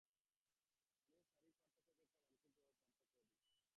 মানুষের শারীরিক পার্থক্য অপেক্ষা মানসিক পার্থক্য অধিক।